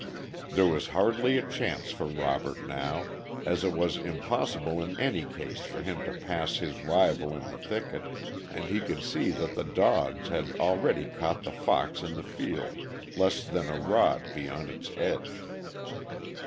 There was hardly a chance for Robert now, as it was impossible in any case for him to pass his rival in the thicket, and he could see that the dogs had already caught the fox in the field, less than a rod beyond its edge.